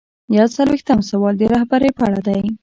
یو څلویښتم سوال د رهبرۍ په اړه دی.